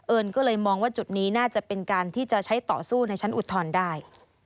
ก็เลยมองว่าจุดนี้น่าจะเป็นการที่จะใช้ต่อสู้ในชั้นอุทธรณ์ได้